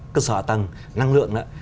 cơ sở tầng năng lượng